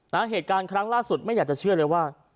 เหตุการณ์ครั้งล่าสุดไม่อยากจะเชื่อเลยว่า